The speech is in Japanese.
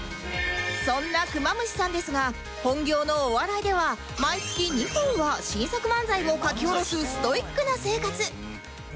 そんなクマムシさんですが本業のお笑いでは毎月２本は新作漫才を書き下ろすストイックな生活